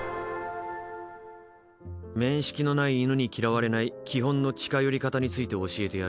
面識のない犬に嫌われない基本の近寄り方について教えてやる。